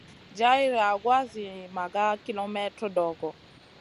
Jar yagoua zi maga kilemètre dogo.